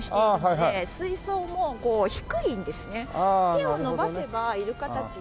手を伸ばせばイルカたちに。